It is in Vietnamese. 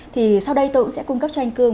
thì sau đây tôi cũng sẽ cung cấp cho anh cương